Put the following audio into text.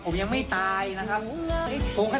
ผมยังไม่ตายนะครับ